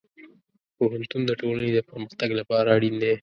پوهنتون د ټولنې د پرمختګ لپاره اړین دی.